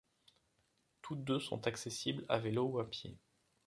Toutes deux sont accessibles à vélo ou à pied.